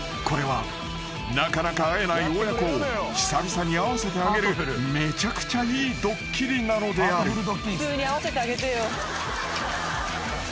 これはなかなか会えない親子を久々に会わせてあげるめちゃくちゃいいドッキリなのである］